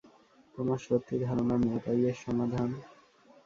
তোমার সত্যিই ধারণা মেয়েটাই এর সমাধান?